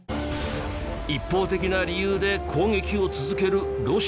一方的な理由で攻撃を続けるロシア。